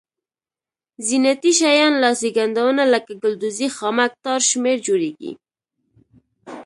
زینتي شیان لاسي ګنډونه لکه ګلدوزي خامک تار شمېر جوړیږي.